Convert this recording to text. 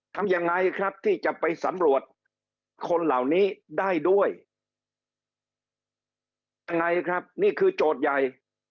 ทำยังไงครับที่จะไปสำรวจคนเหล่านี้ได้ด้วยยังไงครับนี่คือโจทย์ใหญ่